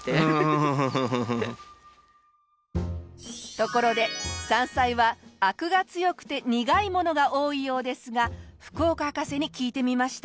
ところで山菜はアクが強くて苦いものが多いようですが福岡博士に聞いてみました。